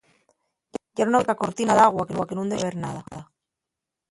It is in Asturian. Yera una auténtica cortina d'agua que nun dexaba ver nada.